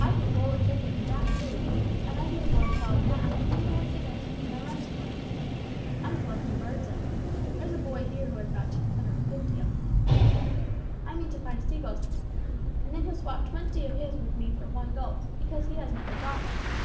I can bowl at cricket and bat too, and I give a boy called 'Gnat' twopence a game to do my runs for me. I'm collecting birds' eggs. There's a boy here who has got 250 of them. I mean to find a sea gull's nest, and then he'll swap twenty of his with me for one gull's, because he has never got one yet.